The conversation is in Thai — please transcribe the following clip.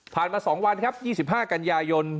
มา๒วันครับ๒๕กันยายน